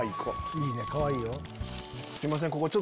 いいねかわいいよ。